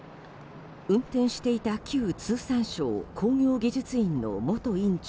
運転していた旧通産省工業技術院の元院長